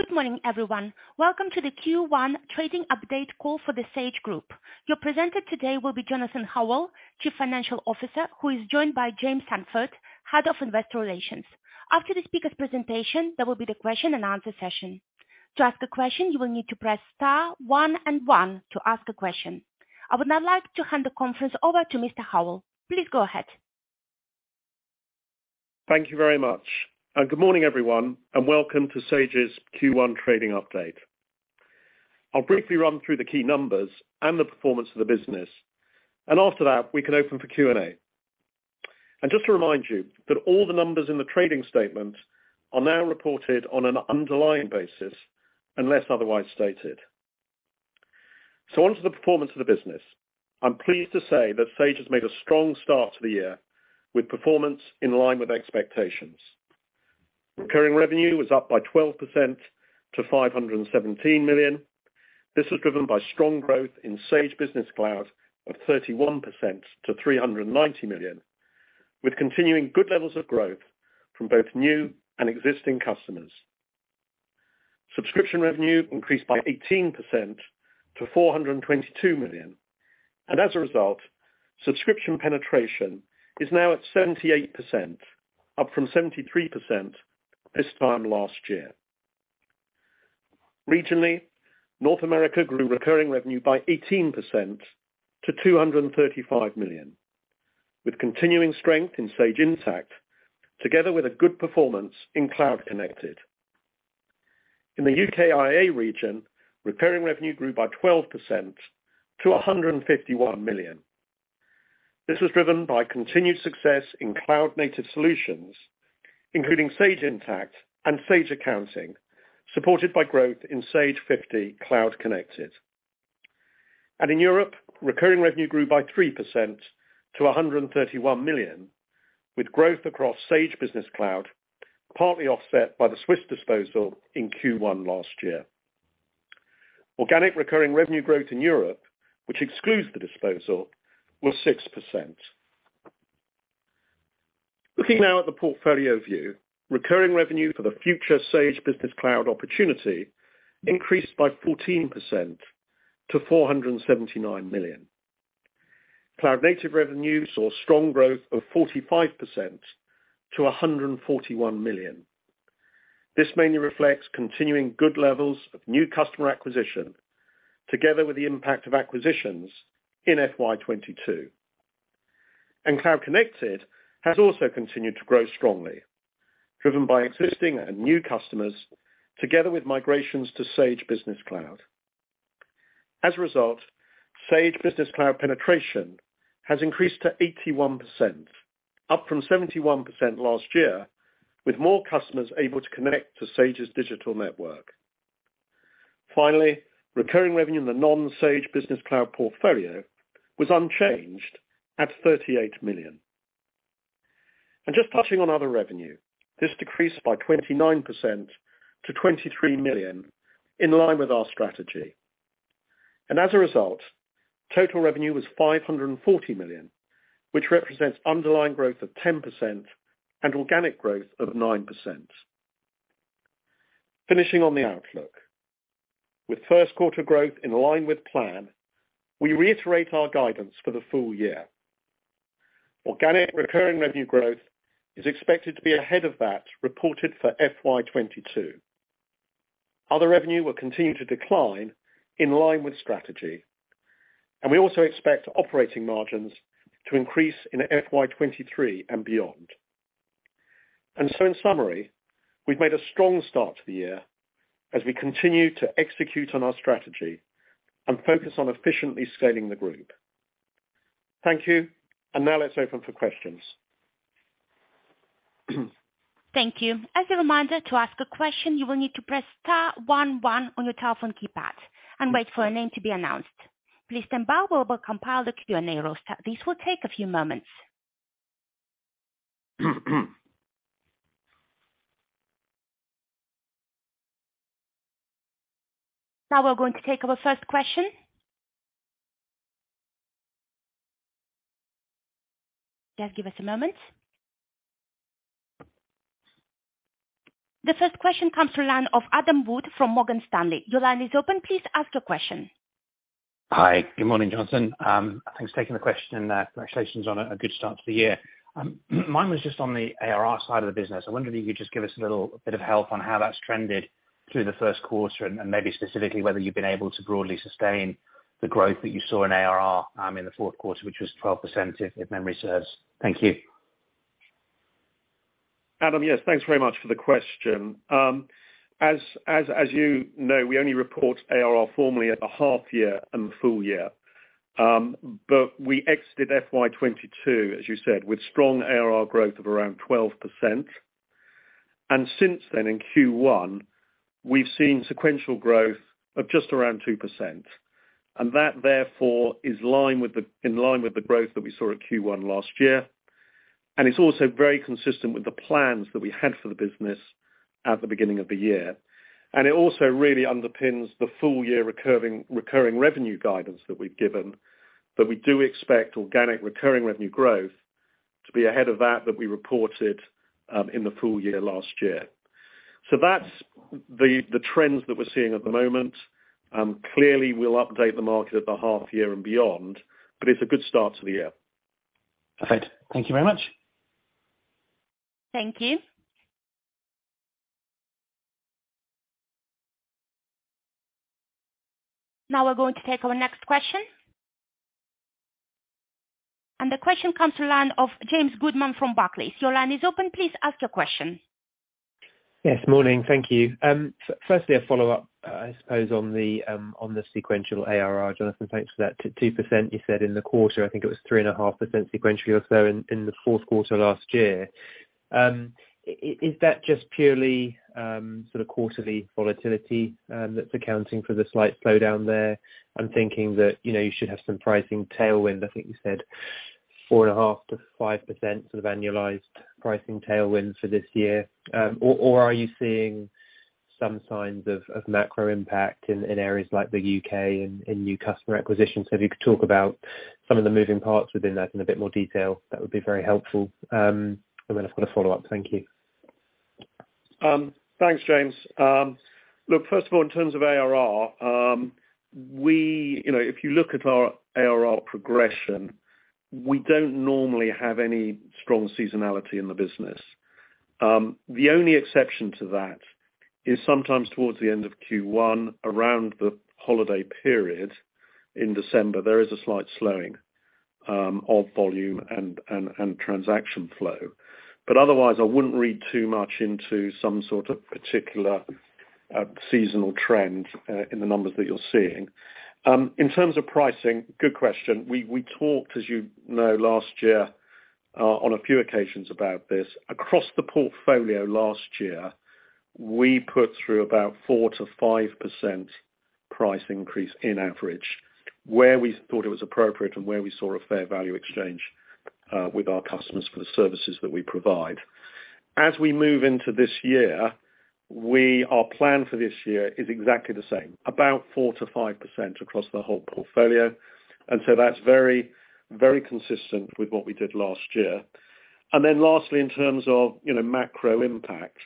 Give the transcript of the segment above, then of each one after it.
Good morning, everyone. Welcome to the Q1 Trading Update Call for The Sage Group. Your presenter today will be Jonathan Howell, Chief Financial Officer, who is joined by James Sandford, VP Investor Relations. After the speaker's presentation, there will be the question and answer session. To ask a question, you will need to press star one and one. I would now like to hand the conference over to Mr. Howell. Please go ahead. Thank you very much, good morning, everyone, welcome to Sage's Q1 trading update. I'll briefly run through the key numbers and the performance of the business, after that, we can open for Q&A. Just to remind you that all the numbers in the trading statement are now reported on an underlying basis, unless otherwise stated. Onto the performance of the business. I'm pleased to say that Sage has made a strong start to the year, with performance in line with expectations. Recurring revenue was up by 12% to 517 million. This was driven by strong growth in Sage Business Cloud of 31% to 390 million, with continuing good levels of growth from both new and existing customers. Subscription revenue increased by 18% to 422 million, as a result, subscription penetration is now at 78%, up from 73% this time last year. Regionally, North America grew recurring revenue by 18% to $235 million, with continuing strength in Sage Intacct, together with a good performance in Cloud Connected. In the UKIA region, recurring revenue grew by 12% to 151 million. This was driven by continued success in Cloud Native solutions, including Sage Intacct and Sage Accounting, supported by growth in Sage 50cloud. In Europe, recurring revenue grew by 3% to 131 million, with growth across Sage Business Cloud, partly offset by the Swiss disposal in Q1 last year. Organic recurring revenue growth in Europe, which excludes the disposal, was 6%. Looking now at the portfolio view, recurring revenue for the future Sage Business Cloud opportunity increased by 14% to 479 million. Cloud Native revenue saw strong growth of 45% to 141 million. This mainly reflects continuing good levels of new customer acquisition together with the impact of acquisitions in FY22. Cloud Connected has also continued to grow strongly, driven by existing and new customers, together with migrations to Sage Business Cloud. As a result, Sage Business Cloud penetration has increased to 81%, up from 71% last year, with more customers able to connect to Sage Network. Finally, recurring revenue in the non-Sage Business Cloud portfolio was unchanged at 38 million. Just touching on other revenue, this decreased by 29% to 23 million, in line with our strategy. As a result, total revenue was 540 million, which represents underlying growth of 10% and organic growth of 9%. Finishing on the outlook. With first quarter growth in line with plan, we reiterate our guidance for the full-year. Organic recurring revenue growth is expected to be ahead of that reported for FY 2022. Other revenue will continue to decline in line with strategy. We also expect operating margins to increase in FY 2023 and beyond. In summary, we've made a strong start to the year as we continue to execute on our strategy and focus on efficiently scaling the group. Thank you. Now let's open for questions. Thank you. As a reminder, to ask a question, you will need to press star one one on your telephone keypad and wait for a name to be announced. Please stand by while we compile the Q&A roster. This will take a few moments. Now we're going to take our first question. Just give us a moment. The first question comes to the line of Adam Wood from Morgan Stanley. Your line is open. Please ask your question. Hi. Good morning, Jonathan. Thanks for taking the question, congratulations on a good start to the year. Mine was just on the ARR side of the business. I wonder if you could just give us a little bit of help on how that's trended through the first quarter and maybe specifically whether you've been able to broadly sustain the growth that you saw in ARR in the fourth quarter, which was 12%, if memory serves. Thank you. Adam, yes, thanks very much for the question. As you know, we only report ARR formally at the half-year and the full-year. We exited FY 2022, as you said, with strong ARR growth of around 12%. Since then, in Q1, we've seen sequential growth of just around 2%. That, therefore, is in line with the growth that we saw at Q1 last year. It's also very consistent with the plans that we had for the business at the beginning of the year. It also really underpins the full-year recurring revenue guidance that we've given, that we do expect organic recurring revenue growth to be ahead of that we reported in the full-year last year. That's the trends that we're seeing at the moment. Clearly we'll update the market at the half-year and beyond, but it's a good start to the year. Perfect. Thank you very much. Thank you. Now we're going to take our next question. The question comes to line of James Goodman from Barclays. Your line is open. Please ask your question. Yes. Morning. Thank you. Firstly, a follow-up, I suppose on the sequential ARR, Jonathan, thanks for that. 2% you said in the quarter, I think it was 3.5% sequentially or so in the fourth quarter last year. Is that just purely sort of quarterly volatility that's accounting for the slight slowdown there? I'm thinking that, you know, you should have some pricing tailwind. I think you said 4.5%-5% sort of annualized pricing tailwind for this year. Are you seeing some signs of macro impact in areas like the U.K. and in new customer acquisitions? If you could talk about some of the moving parts within that in a bit more detail, that would be very helpful. I've got a follow-up. Thank you. Thanks, James. Look, first of all, in terms of ARR, we, you know, if you look at our ARR progression, we don't normally have any strong seasonality in the business. The only exception to that is sometimes towards the end of Q1, around the holiday period in December, there is a slight slowing of volume and transaction flow. Otherwise, I wouldn't read too much into some sort of particular seasonal trend in the numbers that you're seeing. In terms of pricing, good question. We talked, as you know, last year, on a few occasions about this. Across the portfolio last year, we put through about 4%-5% price increase in average where we thought it was appropriate and where we saw a fair value exchange with our customers for the services that we provide. As we move into this year, our plan for this year is exactly the same, about 4%-5% across the whole portfolio. That's very, very consistent with what we did last year. Lastly, in terms of, you know, macro impact,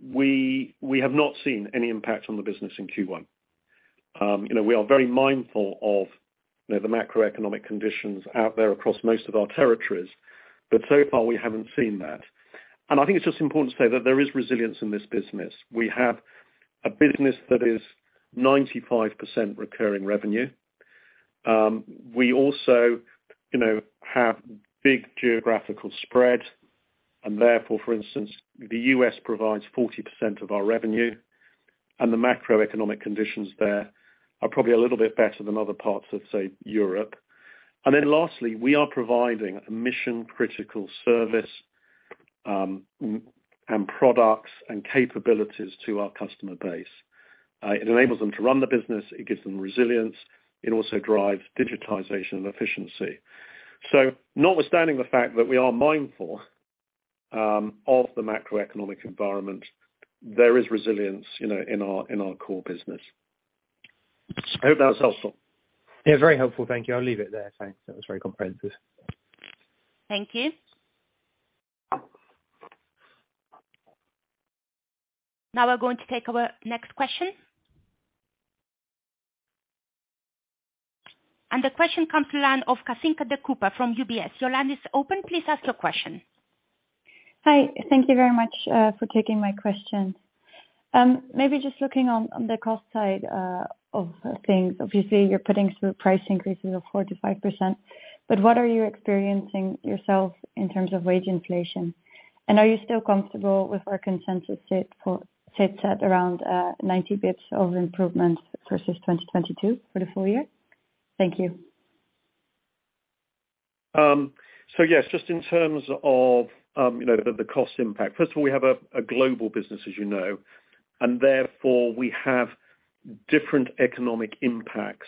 we have not seen any impact on the business in Q1. You know, we are very mindful of, you know, the macroeconomic conditions out there across most of our territories, but so far we haven't seen that. I think it's just important to say that there is resilience in this business. We have a business that is 95% recurring revenue. We also, you know, have big geographical spread, and therefore, for instance, the U.S. provides 40% of our revenue and the macroeconomic conditions there are probably a little bit better than other parts of, say, Europe. Lastly, we are providing a mission-critical service, and products and capabilities to our customer base. It enables them to run the business, it gives them resilience, it also drives digitization and efficiency. Notwithstanding the fact that we are mindful, of the macroeconomic environment, there is resilience, you know, in our core business. I hope that's helpful. Yeah, very helpful. Thank you. I'll leave it there. Thanks. That was very comprehensive. Thank you. Now we're going to take our next question. The question comes to line of Kathinka de Kuyper from UBS. Your line is open. Please ask your question. Hi. Thank you very much for taking my question. Maybe just looking on the cost side of things, obviously you're putting through price increases of 4%-5%, but what are you experiencing yourself in terms of wage inflation? Are you still comfortable with our consensus sit at around 90 basis points of improvement versus 2022 for the full-year? Thank you. Yes, just in terms of, you know, the cost impact, first of all, we have a global business, as you know, and therefore we have different economic impacts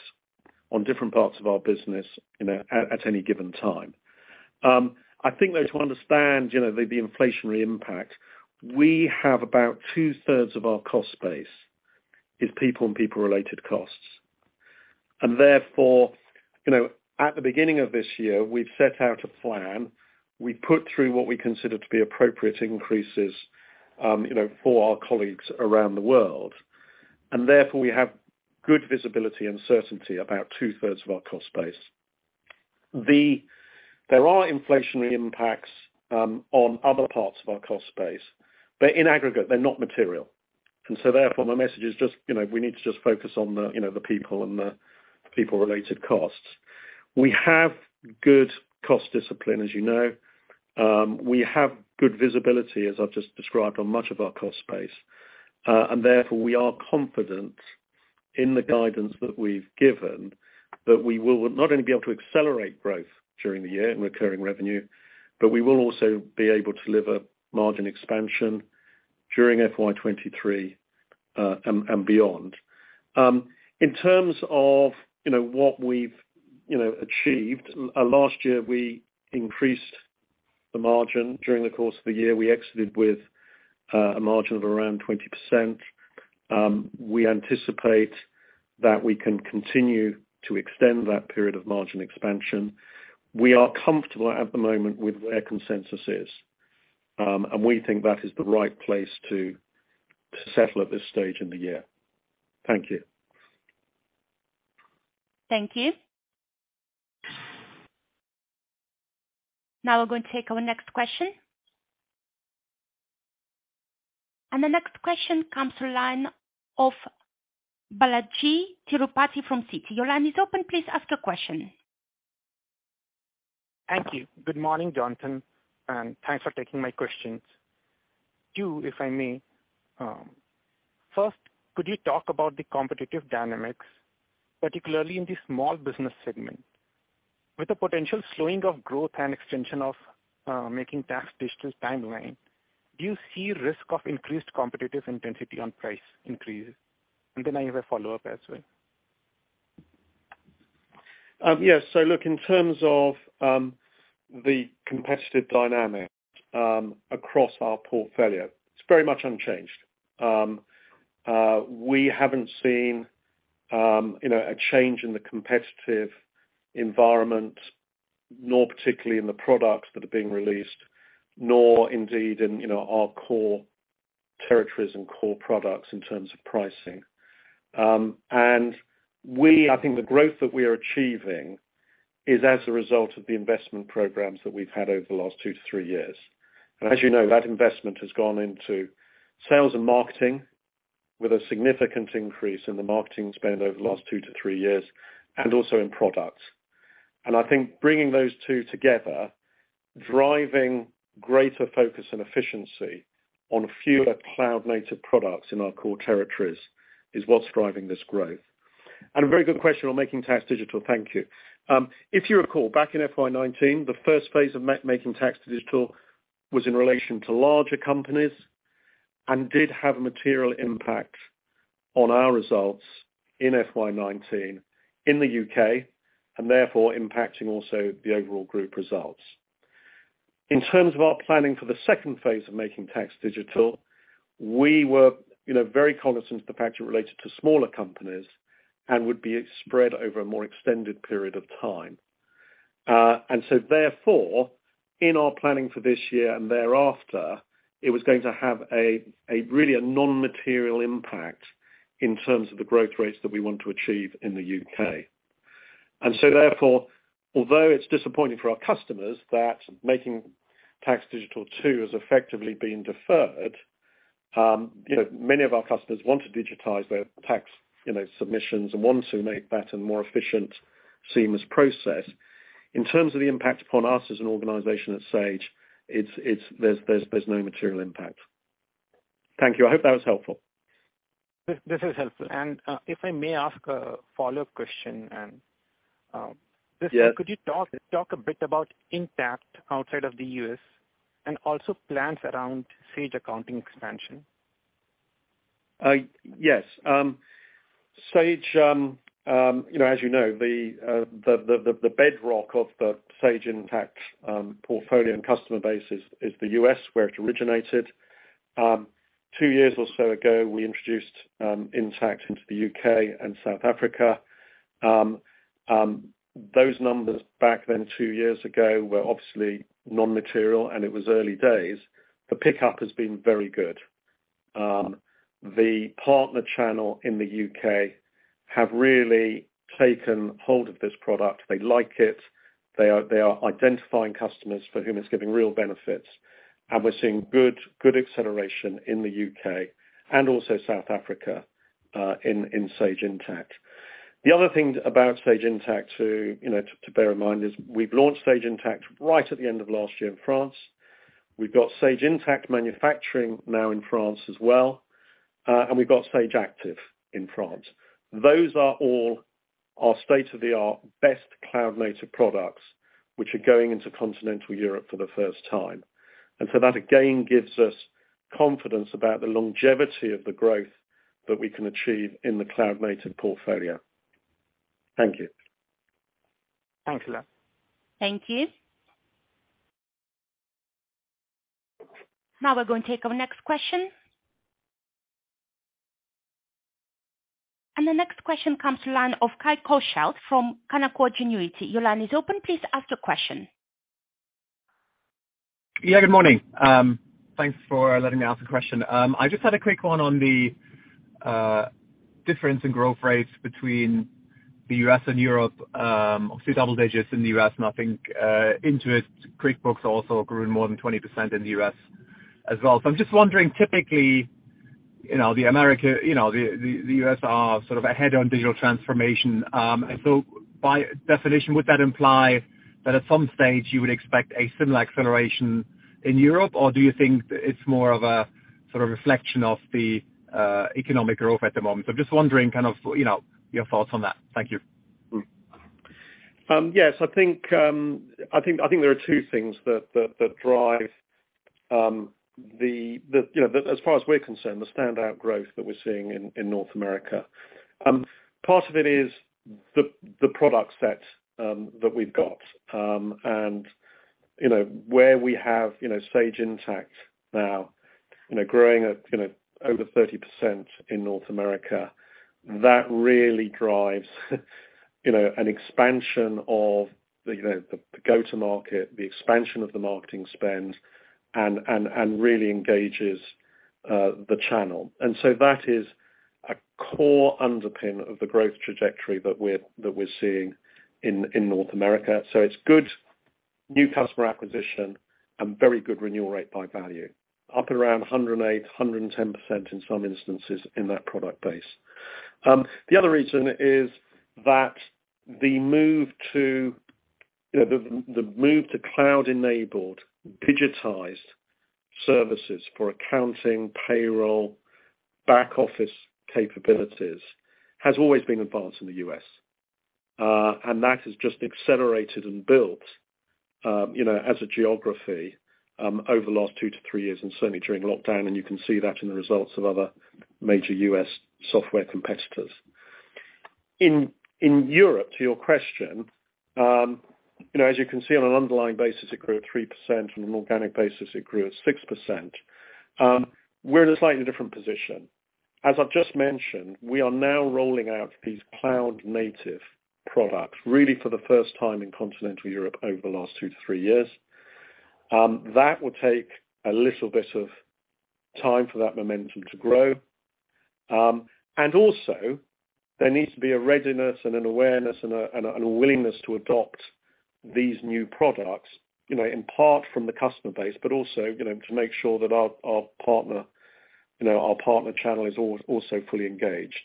on different parts of our business, you know, at any given time. I think though to understand, you know, the inflationary impact, we have about 2/3 of our cost base is people and people-related costs. Therefore, you know, at the beginning of this year, we've set out a plan. We put through what we consider to be appropriate increases, you know, for our colleagues around the world. Therefore, we have good visibility and certainty about two-thirds of our cost base. There are inflationary impacts on other parts of our cost base, but in aggregate, they're not material. Therefore my message is just, you know, we need to just focus on the, you know, the people and the people-related costs. We have good cost discipline, as you know. We have good visibility, as I've just described, on much of our cost base. And therefore, we are confident in the guidance that we've given that we will not only be able to accelerate growth during the year in recurring revenue, but we will also be able to deliver margin expansion during FY 2023 and beyond. In terms of, you know, what we've, you know, achieved last year, we increased the margin during the course of the year, we exited with a margin of around 20%. We anticipate that we can continue to extend that period of margin expansion. We are comfortable at the moment with where consensus is. We think that is the right place to settle at this stage in the year. Thank you. Thank you. Now we're going to take our next question. The next question comes through line of Balaji Tirupati from Citi. Your line is open. Please ask a question. Thank you. Good morning, Jonathan, and thanks for taking my questions. Two, if I may. First, could you talk about the competitive dynamics, particularly in the small business segment? With the potential slowing of growth and extension of, Making Tax Digital timeline, do you see risk of increased competitive intensity on price increases? Then I have a follow-up as well. Yes. Look, in terms of the competitive dynamic across our portfolio, it's very much unchanged. We haven't seen, you know, a change in the competitive environment, nor particularly in the products that are being released, nor indeed in, you know, our core territories and core products in terms of pricing. I think the growth that we are achieving is as a result of the investment programs that we've had over the last 2-3 years. As you know, that investment has gone into sales and marketing with a significant increase in the marketing spend over the last 2-3 years, and also in products. I think bringing those two together, driving greater focus and efficiency on fewer Cloud Native products in our core territories is what's driving this growth. A very good question on Making Tax Digital. Thank you. If you recall back in FY 2019, the first phase of Making Tax Digital was in relation to larger companies and did have a material impact on our results in FY 2019 in the U.K., and therefore impacting also the overall group results. In terms of our planning for the second phase of Making Tax Digital, we were, you know, very cognizant of the fact it related to smaller companies and would be spread over a more extended period of time. Therefore, in our planning for this year and thereafter, it was going to have a really a non-material impact in terms of the growth rates that we want to achieve in the U.K. Therefore, although it's disappointing for our customers that Making Tax Digital 2 has effectively been deferred, you know, many of our customers want to digitize their tax, you know, submissions and want to make that a more efficient, seamless process. In terms of the impact upon us as an organization at Sage, it's there's no material impact. Thank you. I hope that was helpful. This is helpful. If I may ask a follow-up question? Yes. Could you talk a bit about Intacct outside of the U.S. and also plans around Sage Accounting expansion? Yes. Sage, you know, as you know, the bedrock of the Sage Intacct portfolio and customer base is the U.S. where it originated. Two years or so ago, we introduced Intacct into the U.K. and South Africa. Those numbers back then two years ago were obviously non-material, and it was early days. The pickup has been very good. The partner channel in the U.K. have really taken hold of this product. They like it. They are identifying customers for whom it's giving real benefits. We're seeing good acceleration in the U.K. and also South Africa, in Sage Intacct. The other thing about Sage Intacct, you know, to bear in mind is we've launched Sage Intacct right at the end of last year in France. We've got Sage Intacct Manufacturing now in France as well. We've got Sage Active in France. Those are all our state-of-the-art best Cloud Native products, which are going into continental Europe for the first time. That again, gives us confidence about the longevity of the growth that we can achieve in the Cloud Native portfolio. Thank you. Thanks a lot. Thank you. Now we're going to take our next question. The next question comes to line of Kai Korschelt from Canaccord Genuity. Your line is open. Please ask your question. Yeah, good morning. Thanks for letting me ask a question. I just had a quick one on the difference in growth rates between the U.S. and Europe. Obviously double digits in the U.S. and I think Intuit's QuickBooks also grew more than 20% in the U.S. as well. I'm just wondering typically, you know, the America, you know, the U.S. are sort of ahead on digital transformation. By definition, would that imply that at some stage you would expect a similar acceleration in Europe? Or do you think it's more of a sort of reflection of the economic growth at the moment? I'm just wondering kind of, you know, your thoughts on that. Thank you. Yes. I think there are two things that drive, you know, the as far as we're concerned, the standout growth that we're seeing in North America, part of it is the product set that we've got. And, you know, where we have Sage Intacct now growing at over 30% in North America, that really drives, you know, an expansion of the go-to market, the expansion of the marketing spend and really engages the channel. That is a core underpin of the growth trajectory that we're seeing in North America. So it's good new customer acquisition and very good renewal rate by value. Up around 108%, 110% in some instances in that product base. The other reason is that the move to, you know, the move to cloud-enabled digitized services for accounting, payroll, back office capabilities, has always been advanced in the U.S. And that has just accelerated and built, you know, as a geography, over the last 2-3 years, and certainly during lockdown, and you can see that in the results of other major U.S. software competitors. In Europe, to your question, you know, as you can see on an underlying basis, it grew at 3%. On an organic basis, it grew at 6%. We're in a slightly different position. As I've just mentioned, we are now rolling out these Cloud Native products, really for the first time in continental Europe over the 2-3 years. That will take a little bit of time for that momentum to grow. Also, there needs to be a readiness and an awareness and a willingness to adopt these new products, you know, in part from the customer base, but also, you know, to make sure that our partner, you know, our partner channel is also fully engaged.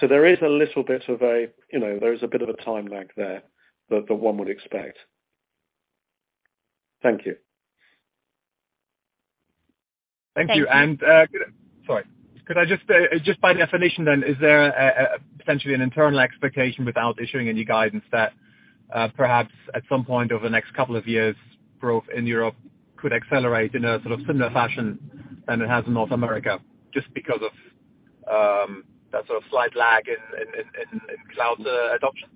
There is a little bit of a, you know, there is a bit of a time lag there that one would expect. Thank you. Thank you. Sorry. Could I just by definition then, is there essentially an internal expectation without issuing any guidance that perhaps at some point over the next two years, growth in Europe could accelerate in a sort of similar fashion than it has in North America just because of that sort of slight lag in cloud adoption?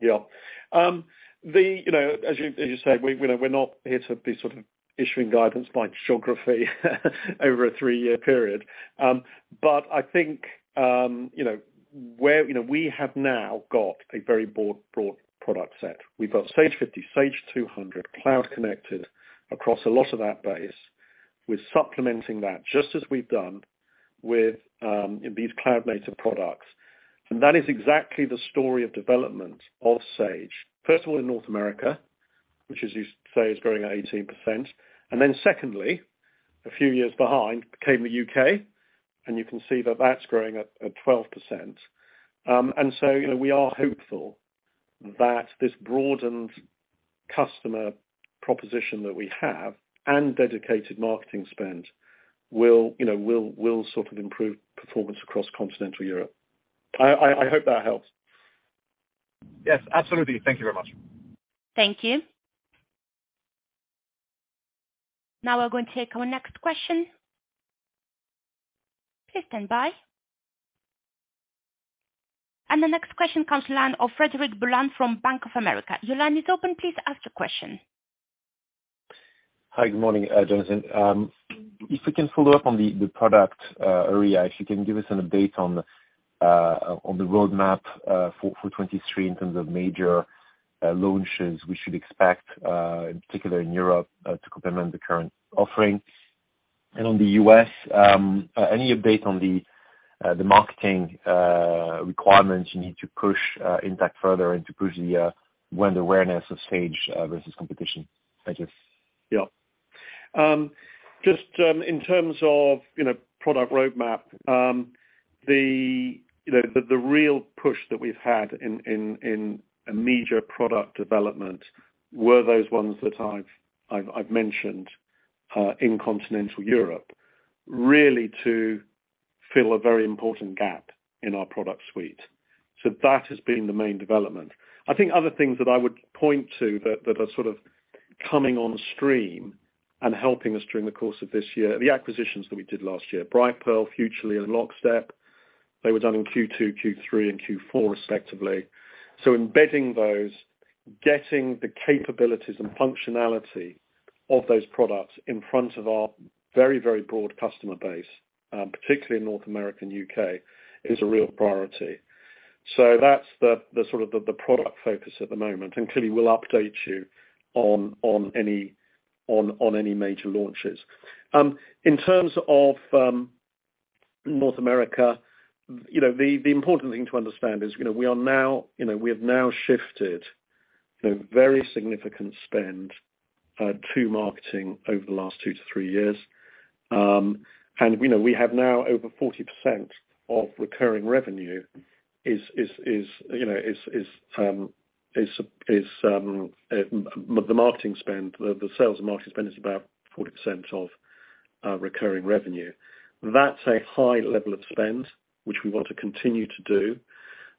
Yeah. The, you know, as you, as you said, we're not here to be sort of issuing guidance by geography over a 3-year period. I think, you know, we have now got a very broad product set. We've got Sage 50, Sage 200 Cloud Connected across a lot of that base. We're supplementing that just as we've done with, these Cloud Native products. That is exactly the story of development of Sage. First of all, in North America, which as you say, is growing at 18%. Then secondly, a few years behind came the U.K., and you can see that that's growing at 12%. You know, we are hopeful that this broadened customer proposition that we have and dedicated marketing spend will, you know, will sort of improve performance across continental Europe. I hope that helps. Yes, absolutely. Thank you very much. Thank you. Now we're going to take our next question. Please stand by. The next question comes to line of Frederic Boulan from Bank of America. Your line is open. Please ask your question. Hi, good morning, Jonathan. If we can follow up on the product area. If you can give us an update on the roadmap for 2023 in terms of major launches we should expect in particular in Europe to complement the current offerings. On the U.S., any update on the marketing requirements you need to push Intacct further and to push the brand awareness of Sage versus competition? Thank you. Just, in terms of, you know, product roadmap, the, you know, the real push that we've had in, in major product development were those ones that I've mentioned, in Continental Europe, really to fill a very important gap in our product suite. That has been the main development. I think other things that I would point to that are sort of coming on stream and helping us during the course of this year are the acquisitions that we did last year. Brightpearl, Futrli, and Lockstep. They were done in Q2, Q3, and Q4, respectively. Embedding those, getting the capabilities and functionality of those products in front of our very, very broad customer base, particularly in North America and U.K., is a real priority. That's the sort of the product focus at the moment, and clearly we'll update you on any major launches. In terms of North America, you know, the important thing to understand is, you know, we are now, you know, we have now shifted, you know, very significant spend to marketing over the last 2-3 years. You know, we have now over 40% of recurring revenue is the marketing spend, the sales and marketing spend is about 40% of recurring revenue. That's a high level of spend, which we want to continue to do.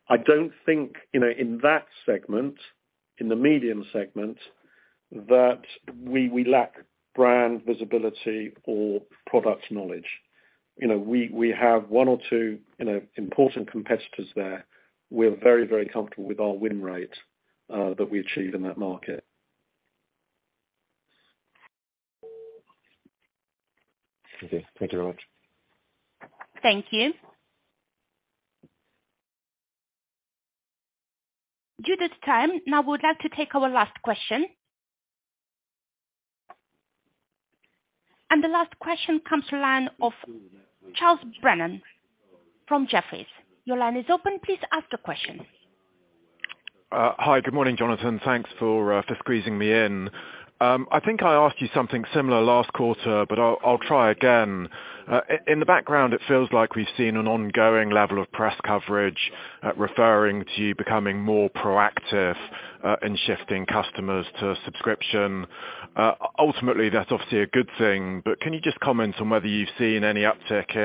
I don't think, you know, in that segment, in the medium segment, that we lack brand visibility or product knowledge. You know, we have one or two, you know, important competitors there. We're very, very comfortable with our win rate, that we achieve in that market. Okay. Thank you very much. Thank you. Due to time, now we would like to take our last question. The last question comes to line of Charles Brennan from Jefferies. Your line is open. Please ask your question. Hi. Good morning, Jonathan. Thanks for for squeezing me in. I think I asked you something similar last quarter, but I'll try again. In the background, it feels like we've seen an ongoing level of press coverage, referring to you becoming more proactive, in shifting customers to subscription. Ultimately, that's obviously a good thing, but can you just comment on whether you've seen any uptick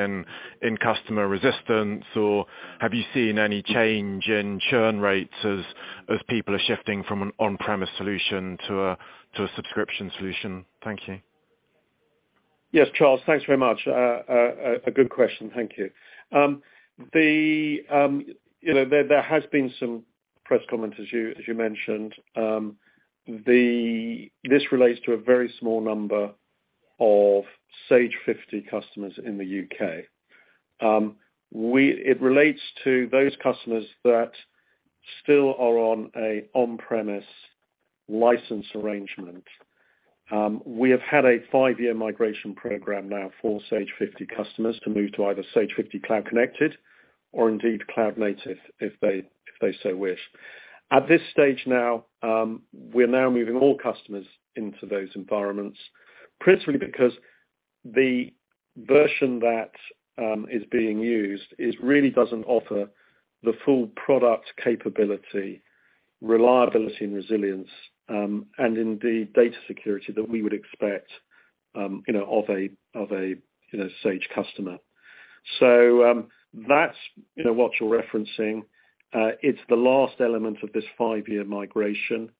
in customer resistance? Or have you seen any change in churn rates as people are shifting from an on-premise solution to a subscription solution? Thank you. Yes, Charles. Thanks very much. A good question. Thank you. The... You know, there has been some press comment, as you, as you mentioned. The... This relates to a very small number of Sage 50 customers in the U.K. We... It relates to those customers that still are on an on-premise license arrangement. We have had a 5-year migration program now for Sage 50 customers to move to either Sage 50 Cloud Connected or indeed Cloud Native if they, if they so wish. At this stage now, we're now moving all customers into those environments, principally because the version that is being used really doesn't offer the full product capability, reliability and resilience, and indeed data security that we would expect, you know, of a, of a, you know, Sage customer. That's, you know, what you're referencing. It's the last element of this 5-year migration.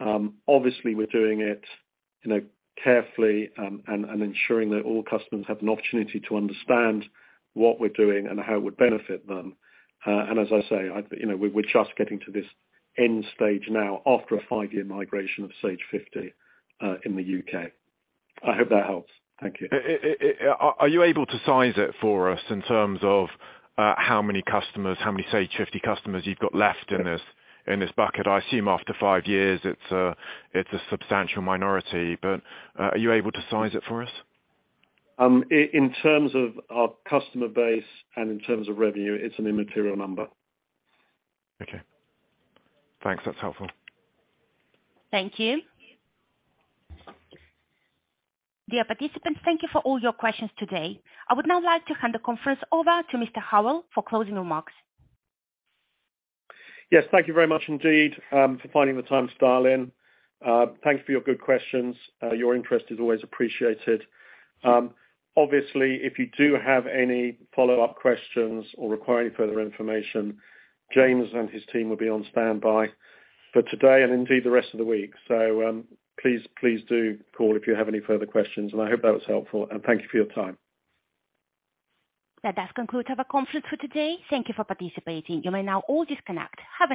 Obviously we're doing it, you know, carefully, and ensuring that all customers have an opportunity to understand what we're doing and how it would benefit them. As I say, you know, we're just getting to this end stage now after a 5-year migration of Sage 50 in the U.K. I hope that helps. Thank you. Are you able to size it for us in terms of how many customers, how many Sage 50 customers you've got left in this, in this bucket? I assume after five years it's a substantial minority, but are you able to size it for us? In terms of our customer base and in terms of revenue, it's an immaterial number. Okay. Thanks. That's helpful. Thank you. Dear participants, thank you for all your questions today. I would now like to hand the conference over to Mr. Howell for closing remarks. Yes, thank you very much indeed for finding the time to dial in. Thanks for your good questions. Your interest is always appreciated. Obviously, if you do have any follow-up questions or require any further information, James and his team will be on standby for today and indeed the rest of the week. Please, please do call if you have any further questions, and I hope that was helpful, and thank you for your time. That does conclude our conference for today. Thank you for participating. You may now all disconnect. Have a nice day.